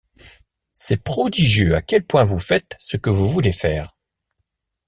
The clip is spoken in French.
C’est prodigieux à quel point vous faites ce que vous voulez faire.